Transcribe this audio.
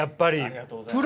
ありがとうございます。